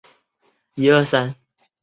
埃吉赛姆。